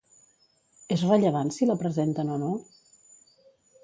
És rellevant si la presenten o no?